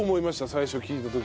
最初聞いた時。